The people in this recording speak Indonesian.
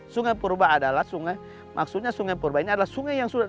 sungai purba adalah sungai maksudnya sungai purba ini adalah sungai yang sudah